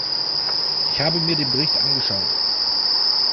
Ich habe mir den Bericht angeschaut.